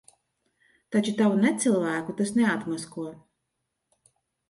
Taču tavu necilvēku tas neatmasko.